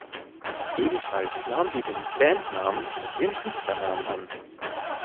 Ebenfalls nahm sie den Bandnamen als ihren Künstlernamen an.